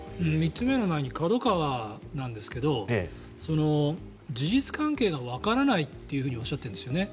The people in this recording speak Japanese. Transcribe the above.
３つ目の前にＫＡＤＯＫＡＷＡなんですけど事実関係がわからないというふうにおっしゃっているんですよね。